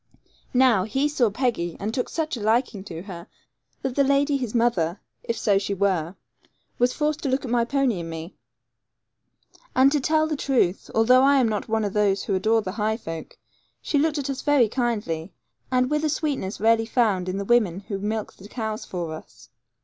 Now, he saw Peggy, and took such a liking to her, that the lady his mother if so she were was forced to look at my pony and me. And, to tell the truth, although I am not of those who adore the high folk, she looked at us very kindly, and with a sweetness rarely found in the women who milk the cows for us.